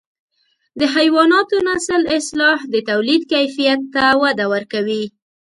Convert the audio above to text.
د حیواناتو نسل اصلاح د توليد کیفیت ته وده ورکوي.